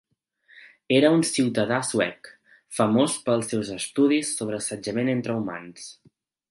Era un ciutadà suec, famós pels seus estudis sobre assetjament entre humans.